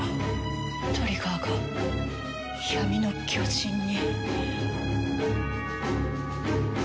トリガーが闇の巨人に。